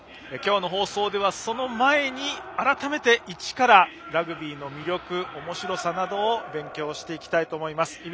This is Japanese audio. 今日の放送ではその前に改めてイチからラグビーの魅力、面白さなどを勉強していきたいと思います。